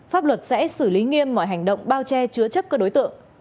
pháp luật sẽ xử lý nghiêm mọi hành động bao che chứa chấp các đối tượng